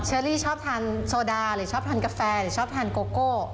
เชอรี่ชอบทานโซดาหรือชอบทานกาแฟหรือชอบทานโกโก้